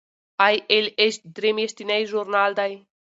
ای ایل ایچ درې میاشتنی ژورنال دی.